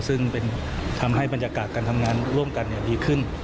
ซึ่งทำให้บรรยากาศการทำงานร่วมกันดีขึ้น